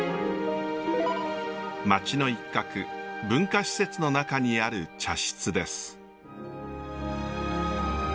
町の一角文化施設の中にある茶室です。